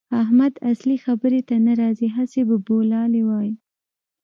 احمد اصلي خبرې ته نه راځي؛ هسې بابولالې وايي.